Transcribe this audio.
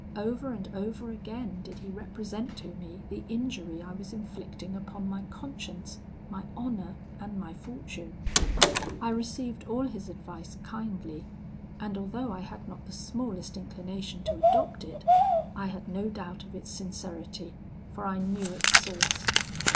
Over and over again did he represent to me the injury I was inflicting upon my conscience, my honour, and my fortune. I received all his advice kindly, and although I had not the smallest inclination to adopt it, I had no doubt of its sincerity, for I knew its source.